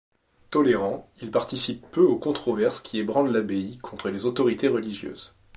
Tolérant, il participe peu aux controverses qui ébranlent l’abbaye contre les autorités religieuses.